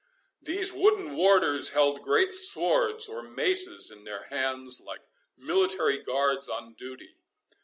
These wooden warders held great swords, or maces, in their hands, like military guards on duty.